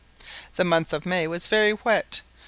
The month of May was very wet.